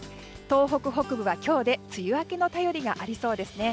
東北北部は今日で梅雨明けの便りがありそうです。